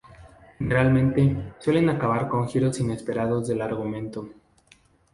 Generalmente, suelen acabar con giros inesperados del argumento.